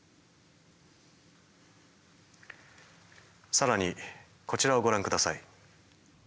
更にこちらをご覧下さい。